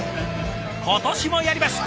今年もやります！